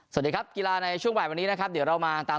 สวัสดีครับกีฬาในช่วงบ่ายวันนี้นะครับเดี๋ยวเรามาตาม